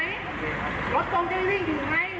อยากเหลือกล้องได้วิ่งอยู่ไหม